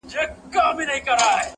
نه به ګرځي لېونی واسکټ په ښار کي-